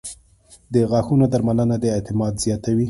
• د غاښونو درملنه د اعتماد زیاتوي.